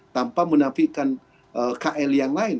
tanpa menafikan kl yang lain